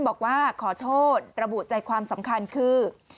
บอกว่าขอโทษระบุใจความสำคัญคือ